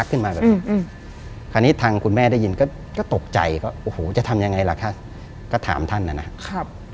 คราวนี้ทางคุณแม่ได้ยินก็ตกใจจะทำยังไงล่ะครับก็ถามท่านนะครับ